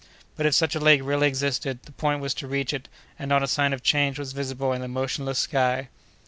But, if such a lake really existed, the point was to reach it, and not a sign of change was visible in the motionless sky.